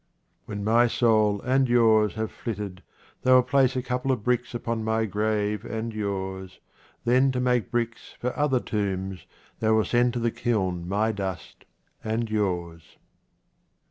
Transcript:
When my soul and yours have flitted, they will place a couple of bricks upon my grave and yours, then to make bricks for other tombs they will send to the kiln my dust and yours.